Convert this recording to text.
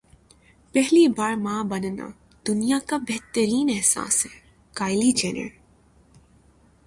پہلی بار ماں بننا دنیا کا بہترین احساس ہے کایلی جینر